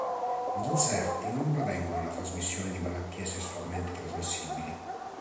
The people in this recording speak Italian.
Gli inserti non prevengono la trasmissione di malattie sessualmente trasmissibili.